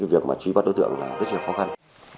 việc truy bắt đối tượng rất là khó khăn